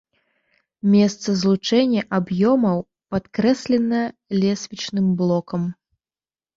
Месца злучэння аб'ёмаў падкрэслена лесвічным блокам.